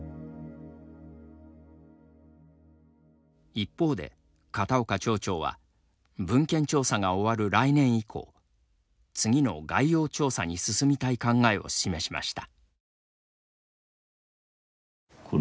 一方で、片岡町長は文献調査が終わる来年以降次の概要調査に進みたい考えを示しました。